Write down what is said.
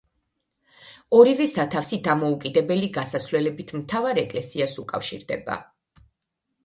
ორივე სათავსი დამოუკიდებელი გასასვლელებით მთავარ ეკლესიას უკავშირდება.